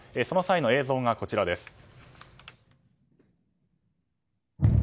その際の映像がこちらです。